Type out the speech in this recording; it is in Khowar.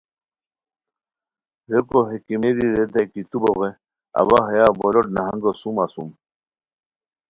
ریکو ہے کیمیری ریتائے کی تو بوغے اوا ہیا بو لوٹ نہنگو سوم اسوم